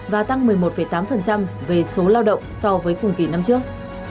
và tăng một mươi một tám về số lao động so với cùng kỳ năm trước